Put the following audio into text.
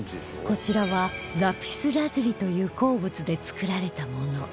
こちらはラピスラズリという鉱物で作られたもの